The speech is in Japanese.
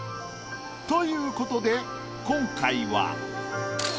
ということで今回は。